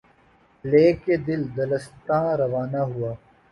لے کے دل، دلستاں روانہ ہوا